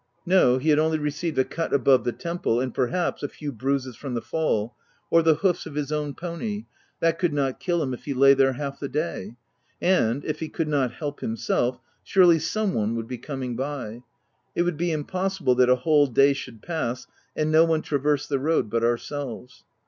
No ; he had only received a cut above the temple, and perhaps, a few bruises from the fall, or the hoofs of his own pony : that could not kill him if he lay there half the day ; and, if he could not help himself, surely some one would be coming by : it would be impossible that a whole day should pass and no one traverse the road but ourselves.